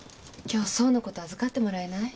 今日爽のこと預かってもらえない？